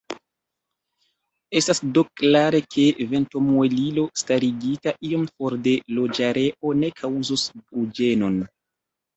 Estas do klare, ke ventomuelilo starigita iom for de loĝareo ne kaŭzos bruĝenon.